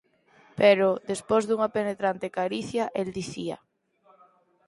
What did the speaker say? Pero, despois dunha penetrante caricia, el dicía: